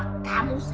gak ada siapa siapa